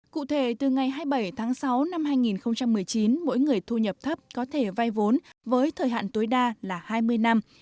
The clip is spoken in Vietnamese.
cụ thể từ ngày hai mươi bảy tháng sáu năm hai nghìn một mươi chín mỗi người thu nhập thấp có thể vay vốn với thời hạn tối đa là hai mươi năm